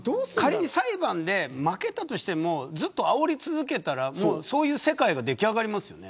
仮に裁判で負けたとしてもあおり続けたらそういう世界ができ上がりますよね。